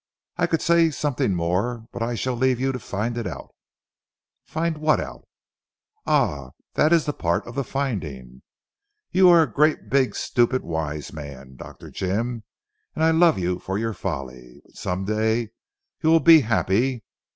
I could say something more but I shall leave you to find it out." "Find what out?" "Ah that is part of the finding. You are a great big stupid wise man Dr. Jim, and I love you for your folly. But some day you will be happy.